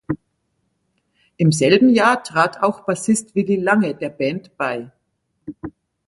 Im selben Jahr trat auch Bassist Willy Lange der Band bei.